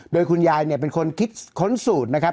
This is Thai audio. โดยคุณยายเนี่ยเป็นคนคิดค้นสูตรนะครับ